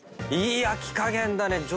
いい焼き加減だね。